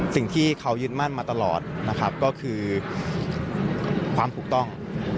สิ่งที่เขายึดมั่นมาตลอดนะครับก็คือความถูกต้อง